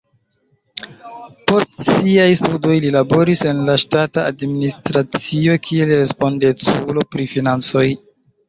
Post siaj studoj li laboris en la ŝtata administracio kiel respondeculo pri financoj.